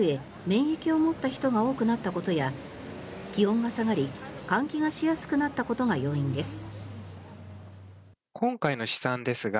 免疫を持った人が多くなったことや気温が下がり換気がしやすくなったことが要因です。